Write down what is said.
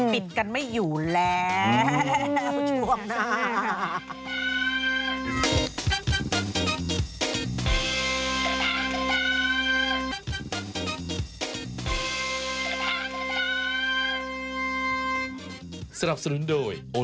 ปิดกันไม่อยู่แล้วช่วงหน้า